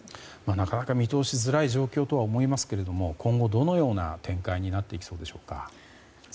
なかなか見通しづらい状況だと思いますが今後どのような展開になっていきそうでしょうか。